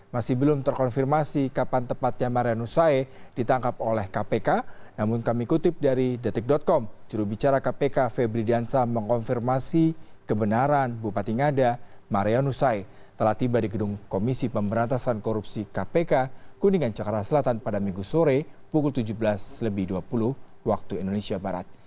masih belum terkonfirmasi kapan tepatnya marianusae ditangkap oleh kpk namun kami kutip dari detik com jurubicara kpk febri diansah mengkonfirmasi kebenaran bupati ngada marianusae telah tiba di gedung komisi pemberantasan korupsi kpk kuningan jakarta selatan pada minggu sore pukul tujuh belas dua puluh menit waktu indonesia barat